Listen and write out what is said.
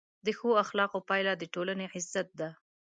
د ښو اخلاقو پایله د ټولنې عزت ده.